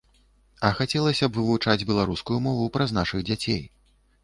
А хацелася б вывучаць беларускую мову праз нашых дзяцей.